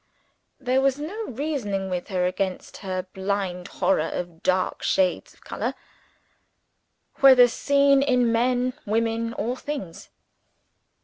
There was no reasoning with her against her blind horror of dark shades of color, whether seen in men, women, or things.